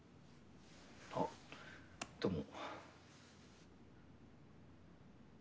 あっどうも。